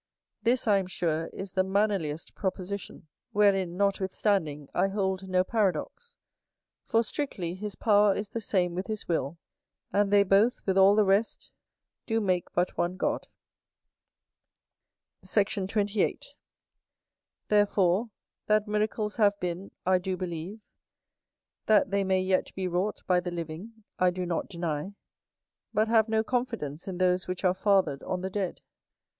This, I am sure, is the mannerliest proposition; wherein, notwithstanding, I hold no paradox: for, strictly, his power is the same with his will; and they both, with all the rest, do make but one God. Sect. 28. Therefore, that miracles have been, I do believe; that they may yet be wrought by the living, I do not deny: but have no confidence in those which are fathered on the dead.